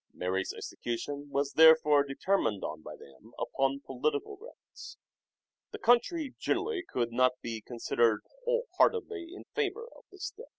Mary's execution was therefore determined on by them upon political grounds. The country generally could not be con sidered wholeheartedly in favour of this step.